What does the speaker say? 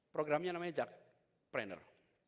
programnya namanya jakpreneur